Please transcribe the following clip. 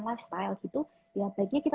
lifestyle gitu ya baiknya kita